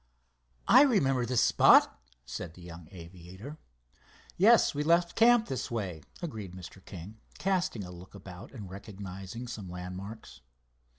"I remember this spot," said the young aviator. "Yes, we left the camp this way," agreed Mr. King, casting a look about and recognizing some landmarks.